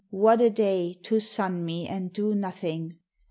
What a day To sun me and do nothing!